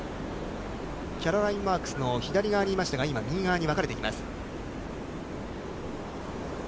キャロライン・マークスの左側にいましたが、今、右側に分かれていきます。